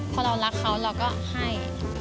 พอเรารักเขาเราก็ให้